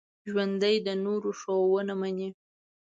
ژوندي د نورو ښوونه مني